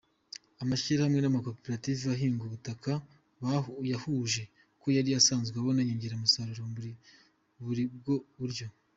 Amashyirahamwe n’amakoperative ahinga ubutaka buhuje, yo yari asanzwe abona inyongeramusaruro muri ubwo buryo.